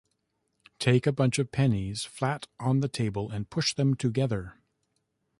Take a bunch of pennies flat on the table and push them together.